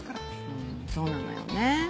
うんそうなのよねぇ。